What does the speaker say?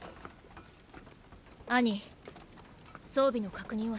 アニ装備の確認をして。